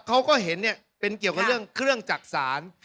เขาก็เห็นเป็นเกี่ยวกับเรื่องเครื่องจักษาน